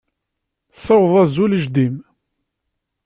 Ssiweḍ azul i jeddi-m.